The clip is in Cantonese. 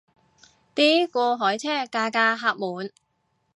啲過海車架架客滿